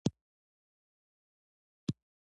د کرنې وزارت له بزګرانو ملاتړ کوي